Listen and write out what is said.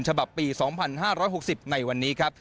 ฉบับปี๒๕๖๐ในวันนี้ครับ